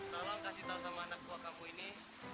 tolong kasih tahu sama anak buah kamu ini